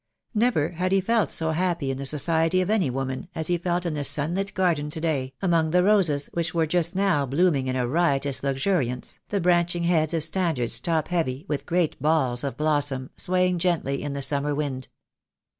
Never had he felt so happy in the society of any woman, as he felt in this sunlit garden to day, among the roses which were just now blooming in a riotous luxuriance, the branching heads of standards top heavy with great balls of blossom, swaying gently in the summer wind.